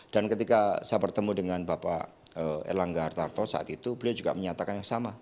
dan ketika saya bertemu dengan bapak erlangga hartarto saat itu beliau juga menyatakan yang sama